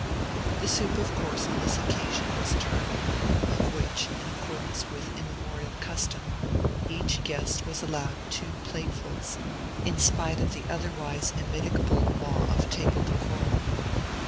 The soup, of course, on this occasion, was turtle, of which, in accordance with immemorial custom, each guest was allowed two platefuls, in spite of the otherwise immitigable law of table decorum.